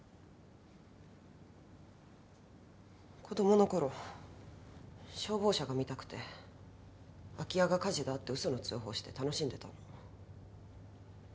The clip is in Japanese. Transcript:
子供のころ消防車が見たくて空き家が火事だって嘘の通報して楽しんでたの。